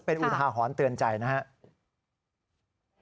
เป็นอุทาหรณ์เตือนใจนะครับ